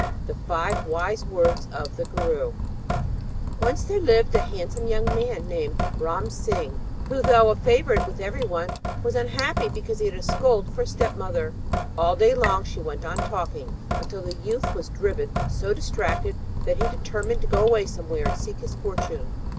THE FIVE WISE WORDS OF THE GURU Once there lived a handsome young man named Ram Singh, who, though a favourite with everyone, was unhappy because he had a scold for a step mother. All day long she went on talking, until the youth was driven so distracted that he determined to go away somewhere and seek his fortune.